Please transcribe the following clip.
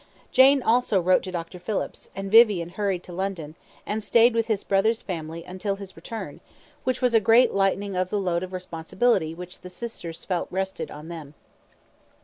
Jane also wrote to Dr. Phillips, and Vivian hurried to London, and stayed with his brother's family until his return, which was a great lightening of the load of responsibility which the sisters felt rested on them.